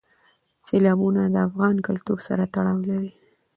سیلابونه د افغان کلتور سره تړاو لري.